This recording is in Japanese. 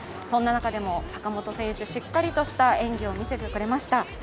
そんな中でも坂本選手、しっかりとした演技を見せてくれました。